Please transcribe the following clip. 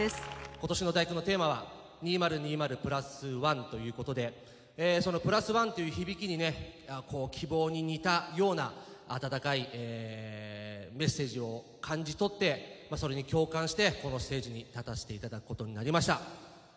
今年の「第九」のテーマは「２０２０＋１」ということでその＋１という響きにねこう希望に似たような温かいメッセージを感じ取ってそれに共感してこのステージに立たせていただくことになりました。